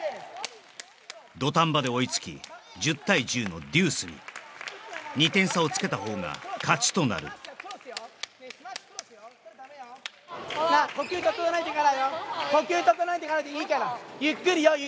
土壇場で追いつき１０対１０のデュースに２点差をつけたほうが勝ちとなるなあ呼吸整えてからよ